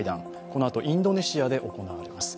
このあと、インドネシアで行われます。